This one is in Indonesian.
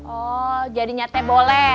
oh jadinya teh boleh